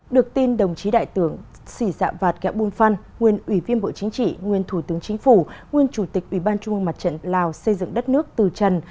được tin đồng chí đại tưởng sĩ dạ vạt kẹo bùn phan nguyên ủy viên bộ chính trị nguyên thủ tướng chính phủ nguyên chủ tịch ủy ban trung ương mặt trận lào xây dựng đất nước từ trần